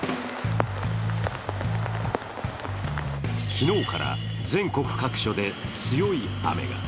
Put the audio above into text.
昨日から全国各所で強い雨が。